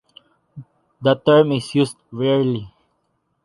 The term is used rarely.